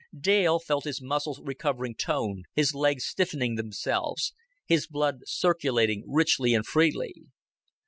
Dale felt his muscles recovering tone, his legs stiffening themselves, his blood circulating richly and freely.